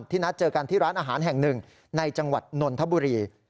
นัดเจอกันที่ร้านอาหารแห่งหนึ่งในจังหวัดนนทบุรี